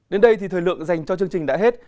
đến đây thì thời lượng dành cho chương trình đã hết